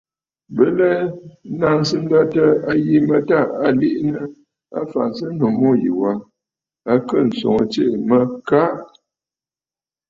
Bɨ lɛ nnaŋsə nlətə a yi mə tâ à liʼinə afǎnsənnǔ mû yì wa, a kɨɨ̀ ǹswoŋə tsiʼì mə “Kaʼa!”.